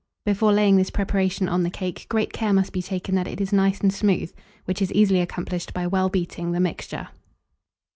Before laying this preparation on the cake, great care must be taken that it is nice and smooth, which is easily accomplished by well beating the mixture.